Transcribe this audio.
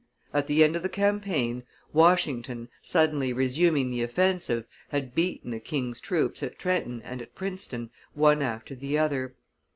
At the end of the campaign, Washington, suddenly resuming the offensive, had beaten the king's troops at Trenton and at Princeton one after the other.